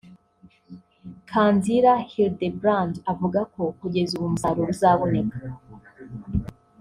Kanzira Hildebrande avuga ko kugeza ubu umusaruro uzaboneka